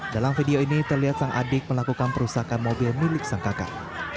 dalam video ini terlihat sang adik melakukan perusakan mobil milik sang kakak